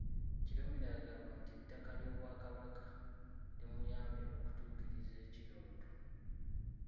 Kirumira agamba nti ettaka ly’Obwakabaka limuyambye okutuukiriza ekirooto.